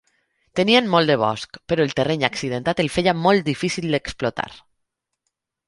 Tenien molt de bosc, però el terreny accidentat el feia molt difícil d'explotar.